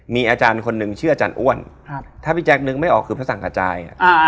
มีอาจารย์คนหนึ่งชื่ออาจารย์อ้วนถ้าพี่แจ๊คนึกไม่ออกคือพระสังกระจาย